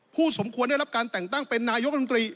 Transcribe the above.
สมควรได้รับการแต่งตั้งเป็นนายกรัฐมนตรี